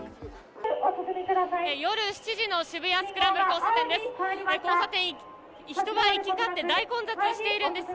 夜７時の渋谷スクランブル交差点です。